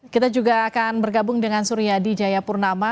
kita juga akan bergabung dengan suryadi jayapurnama